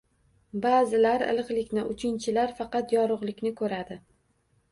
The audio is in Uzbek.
Ba’zilari iliqlikni, uchinchilari faqat yorug’likni ko’radi